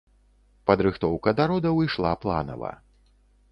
Падрыхтоўка да родаў ішла планава.